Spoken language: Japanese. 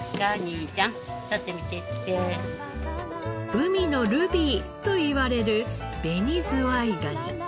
海のルビーといわれる紅ズワイガニ。